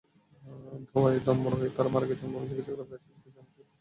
ধোঁয়ায় দমবন্ধ হয়ে তাঁরা মারা গেছেন বলে চিকিৎসকেরা ফায়ার সার্ভিসকে জানিয়েছেন।